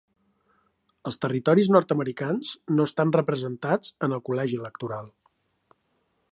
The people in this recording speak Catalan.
Els territoris nord-americans no estan representats en el Col·legi Electoral.